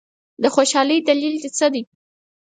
د خوشالۍ دلیل دي څه دی؟